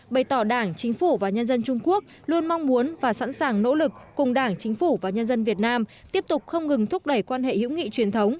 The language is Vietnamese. bày tỏ đảng chính phủ và nhân dân trung quốc luôn mong muốn và sẵn sàng nỗ lực cùng đảng chính phủ và nhân dân việt nam tiếp tục không ngừng thúc đẩy quan hệ hữu nghị truyền thống